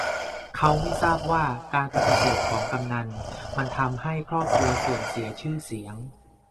เขาไม่ทราบว่าการปฏิเสธของกำนัลมันทำให้ครอบครัวเสื่อมเสียชื่อเสียง